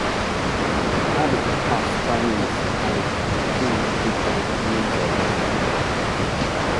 The habitual past tense has a few different uses.